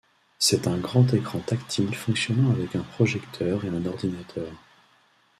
C’est un grand écran tactile fonctionnant avec un projecteur et un ordinateur.